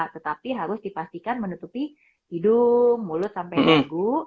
tetapi harus dipastikan menutupi hidung mulut sampai dagu